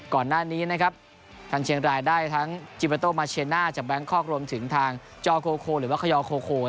ก่อนหน้านี้ท่านเชียงรายได้ทั้งจิปาโต้มาเชน่าจากแบงคอกรวมถึงทางจอร์โคโคหรือว่าคยอร์โคโค